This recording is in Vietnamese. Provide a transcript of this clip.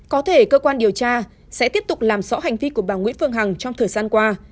có thể cơ quan điều tra sẽ tiếp tục làm rõ hành vi của bà nguyễn phương hằng trong thời gian qua